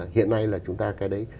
hiện nay là chúng ta cái đấy